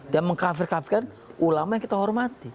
dan mengkafir kafirkan ulama yang kita hormati